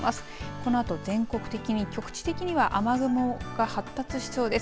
このあと全国的に局地的には雨雲が発達しそうです。